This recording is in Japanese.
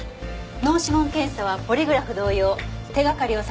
脳指紋検査はポリグラフ同様手がかりを探す手段に過ぎない。